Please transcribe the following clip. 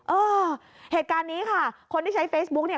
เออเหตุการณ์นี้ค่ะคนที่ใช้เฟซบุ๊กเนี่ย